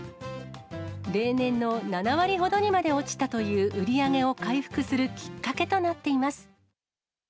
例年の７割ほどにまで落ちたという売り上げを回復するきっかけとなっています。